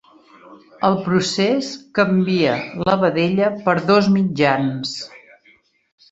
El procés canvia la vedella per dos mitjans.